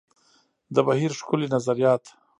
د بهیر ښکلي نظریات.